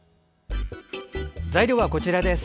材料はこちらです。